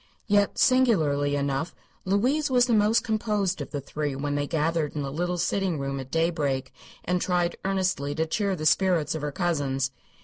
Yet, singularly enough, Louise was the most composed of the three when they gathered in the little sitting room at daybreak, and tried earnestly to cheer the spirits of her cousins.